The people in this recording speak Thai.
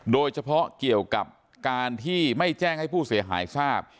โดยเฉพาะเกี่ยวกับการที่ไม่แจ้งให้ผู้เสียหายทราบ